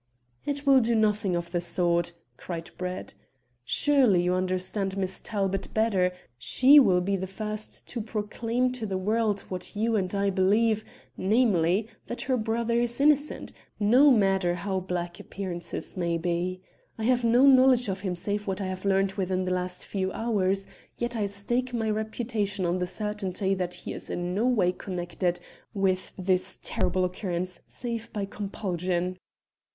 "It will do nothing of the sort," cried Brett. "Surely you understand Miss Talbot better. She will be the first to proclaim to the world what you and I believe, namely, that her brother is innocent, no matter how black appearances may be. I have no knowledge of him save what I have learned within the last few hours, yet I stake my reputation on the certainty that he is in no way connected with this terrible occurrence save by compulsion."